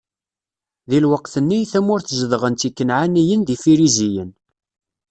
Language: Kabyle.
Di lweqt-nni, tamurt zedɣen- tt Ikanɛaniyen d Ifiriziyen.